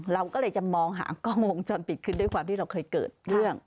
เราก็เลยจะมองหากล้องวงจรปิดขึ้นด้วยความที่เราเคยเกิดเรื่อง